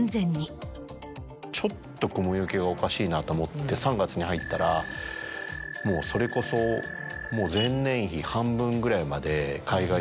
ちょっと雲行きがおかしいなと思って３月に入ったらもうそれこそもう前年比半分ぐらいまで。